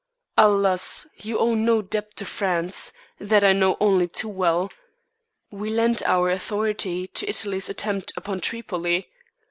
Alas! you owe no debt to France, that I know only too well. We lent our authority to Italy's attempt upon Tripoli.